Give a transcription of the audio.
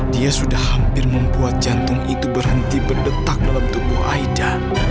dia sudah hampir membuat jantung itu berhenti berdetak dalam tubuh aida